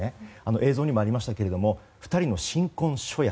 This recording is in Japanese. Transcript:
映像にもありましたけども２人の新婚初夜。